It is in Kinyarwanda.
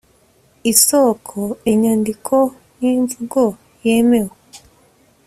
isoko inyandiko nimvugo yemewe